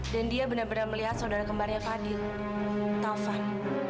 dan dia benar benar melihat saudara kembarnya fadil taufan